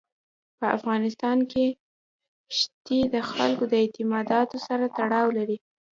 په افغانستان کې ښتې د خلکو د اعتقاداتو سره تړاو لري.